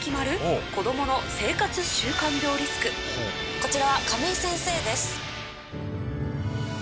こちらは亀井先生です。